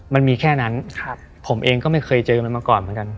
มันมีแค่นั้นผมเองก็ไม่เคยเจอมันมาก่อนเหมือนกัน